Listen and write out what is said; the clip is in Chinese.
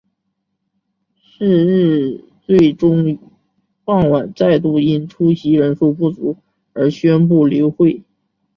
是日最终于傍晚再度因出席人数不足而宣布流会。